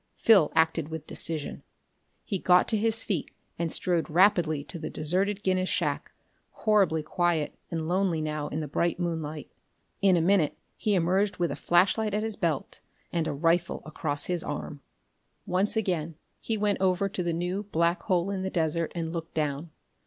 Phil acted with decision. He got to his feet and strode rapidly to the deserted Guinness shack, horribly quiet and lonely now in the bright moonlight. In a minute he emerged with a flashlight at his belt and a rifle across his arm. Once again he went over to the new black hole in the desert and looked down.